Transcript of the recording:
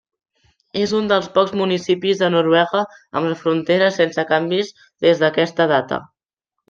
És un dels pocs municipis de Noruega amb les fronteres sense canvis des d'aquesta data.